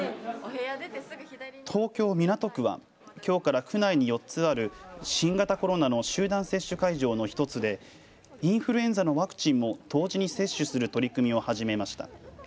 東京・港区は、きょうから区内に４つある新型コロナの集団接種会場の１つでインフルエンザのワクチンも同時に接種する取り組みを始めました。